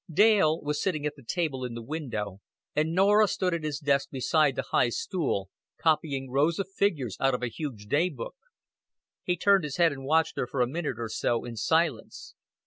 Dale was sitting at the table in the window and Norah stood at his desk beside the high stool, copying rows of figures out of a huge day book. He turned his head and watched her for a minute or so in silence.